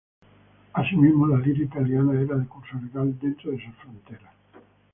Asimismo, la lira italiana era de curso legal dentro de sus fronteras.